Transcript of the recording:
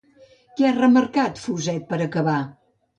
Què ha remarcat Fuset per acabar?